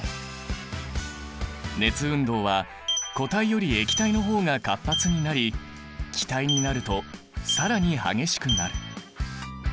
熱運動は固体より液体の方が活発になり気体になると更に激しくなる。